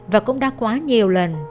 và cũng đã quá nhiều lần